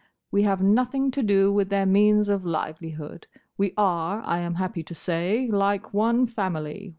We have nothing to do with their means of livelihood; we are, I am happy to say, like one family.